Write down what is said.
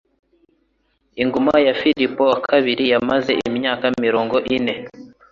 Ingoma ya Filipo II yamaze imyaka mirongo ine.